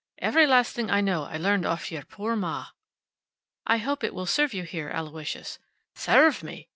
Ev'ry last thing I know I learned off yur poor ma." "I hope it will serve you here, Aloysius." "Sarve me!"